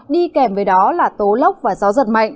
đi kèm với đó là tố lốc và gió giật mạnh